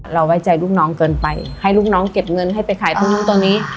ไว้ใจลูกน้องเกินไปให้ลูกน้องเก็บเงินให้ไปขายตรงนู้นตรงนี้